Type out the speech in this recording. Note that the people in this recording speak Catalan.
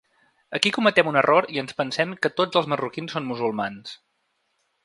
Aquí cometem un error i ens pensem que tots els marroquins són musulmans.